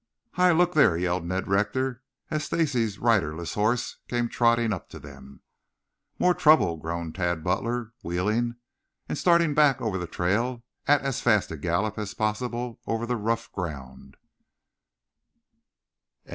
"Hi, look there!" yelled Ned Rector, as Stacy's riderless horse came trotting up to them. "More trouble!" groaned Tad Butler, wheeling and starting back over the trail at as fast a gallop as possible over the rough ground.